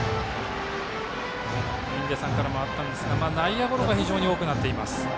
印出さんからもありましたが内野ゴロが非常に多くなっています。